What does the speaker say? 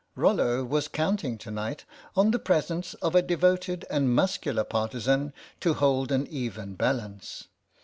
Rollo was count ing to night on the presence of a devoted and muscular partisan to hold an even 85 86 THE STRATEGIST balance.